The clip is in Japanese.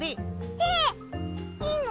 えっいいの！？